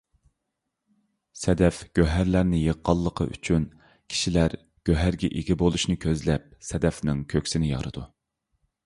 سەدەف گۆھەرلەرنى يىغقانلىقى ئۈچۈن، كىشىلەرنىڭ گۆھەرگە ئىگە بولۇشىنى كۆزلەپ سەدەفنىڭ كۆكسىىنى يارىدۇ.